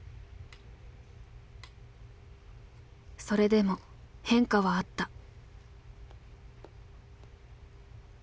それでも変化はあった。